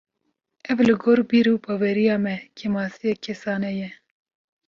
Ev li gor bîr û baweriya me, kêmasiyek kesane ye